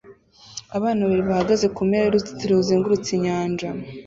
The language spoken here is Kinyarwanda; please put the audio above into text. Abantu babiri bahagaze kumpera yuruzitiro ruzengurutse inyanja